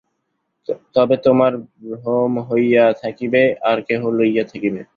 তবে তোমার ভ্রম হইয়া থাকিবে, আর কেহ লইয়া থাকিবে।